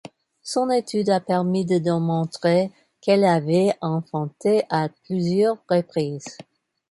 Son étude a permis de démontrer qu'elle avait enfanté à plusieurs reprises.